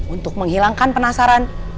untuk menghilangkan penasaran